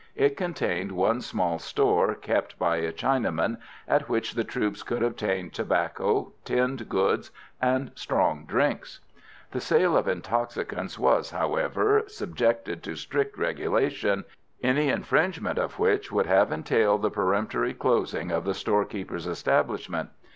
It contained one small store kept by a Chinaman, at which the troops could obtain tobacco, tinned goods, and strong drinks. The sale of intoxicants was, however, subjected to strict regulation, any infringement of which would have entailed the peremptory closing of the storekeeper's establishment.